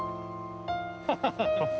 ハハハッ！